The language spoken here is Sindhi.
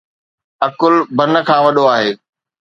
عقل بهن کان وڏو آهي